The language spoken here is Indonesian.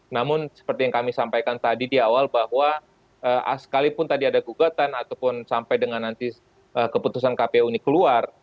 namun seperti yang kami sampaikan tadi di awal bahwa sekalipun tadi ada gugatan ataupun sampai dengan nanti keputusan kpu ini keluar